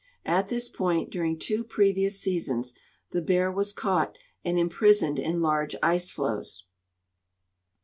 At tins point dur ing two previous seasons the Bear Avas caught and imprisoned in large ice floes.